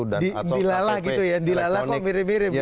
dilala gitu ya dilala kok mirip mirip